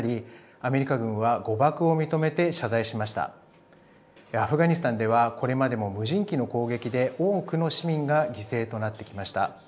アフガニスタンではこれまでも無人機の攻撃で多くの市民が犠牲となってきました。